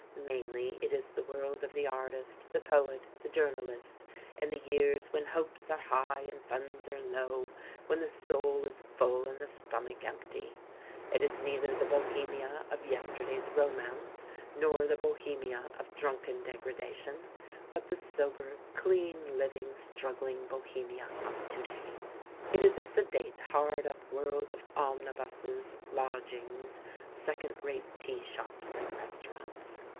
Mainly it is the world of the artist, the poet, the journalist, in the years when hopes are high and funds are low, when the soul is full and the stomach empty. It is neither the Bohemia of yesterday's romance nor the Bohemia of drunken degradation, but the sober, clean living, struggling Bohemia of to day. It is a sedate, hard up world of omnibuses, lodgings, second rate tea shops and restaurants.